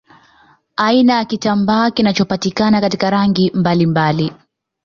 Aina ya kitambaa kinachopatikana katika rangi mbalimbali